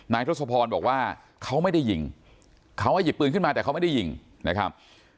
ทศพรบอกว่าเขาไม่ได้ยิงเขาหยิบปืนขึ้นมาแต่เขาไม่ได้ยิงนะครับ